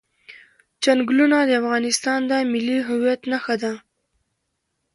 چنګلونه د افغانستان د ملي هویت نښه ده.